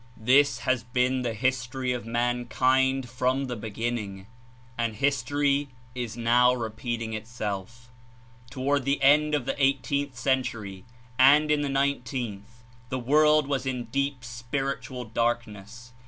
This has been the history of mankind from the beginning, and history is now repeating itself. Toward the end of the 1 8th Century and In the nineteenth the Darkness world was In deep spiritual darkness.